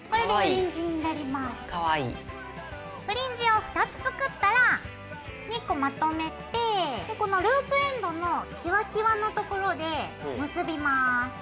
フリンジを２つ作ったら２個まとめてこのループエンドのキワキワのところで結びます。